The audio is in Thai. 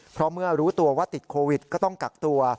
เพราะเมื่อรู้ตัวว่าติดโควิดก็ต้องกักตัว